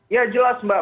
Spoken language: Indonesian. ya jelas mbak